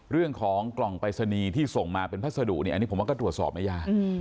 เรื่องของกล่องไปรษณีย์ที่ส่งมาเป็นพัสดุเนี่ยผมว่าก็ตรวจสอบในย่าง